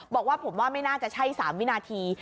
บอกว่าผมว่าไม่น่าจะใช่๓วินาที